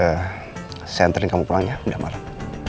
eh saya ntarin kamu pulang ya udah malem